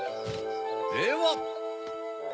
では！